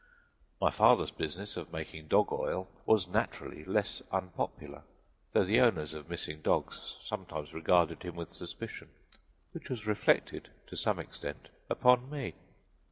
My father's business of making dog oil was, naturally, less unpopular, though the owners of missing dogs sometimes regarded him with suspicion, which was reflected, to some extent, upon me.